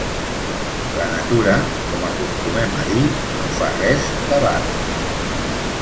La natura, com acostumem a dir, no fa res debades.